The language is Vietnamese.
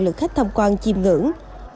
lượt khách thăm quan chìm ngưỡng